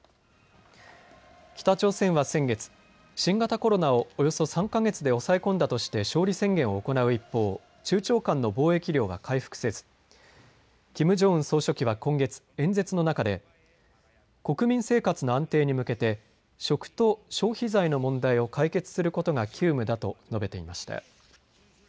北朝鮮は先月、新型コロナをおよそ３か月で抑え込んだとして勝利宣言を行う一方、中朝間の貿易量は回復せず、キム・ジョンウン総書記は今月、演説の中で国民生活の安定に向けて、食と消費財の問題を解決することが急務だと述べていました。